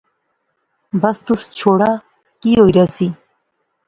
بس تس چھوڑا، کی ہوئی رہسی